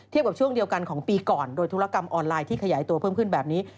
กับช่วงเดียวกันของปีก่อนโดยธุรกรรมออนไลน์ที่ขยายตัวเพิ่มขึ้นแบบนี้